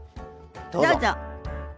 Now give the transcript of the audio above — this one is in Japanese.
どうぞ。